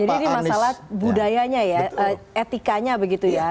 jadi ini masalah budayanya ya etikanya begitu ya